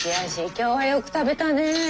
今日はよく食べたね。